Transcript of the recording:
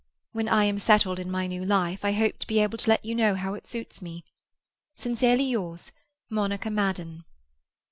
When I am settled in my new life, I hope to be able to let you know how it suits me.—Sincerely yours, MONICA MADDEN."